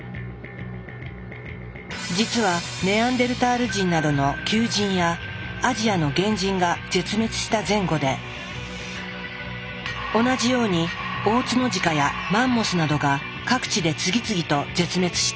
実はネアンデルタール人などの旧人やアジアの原人が絶滅した前後で同じようにオオツノジカやマンモスなどが各地で次々と絶滅している。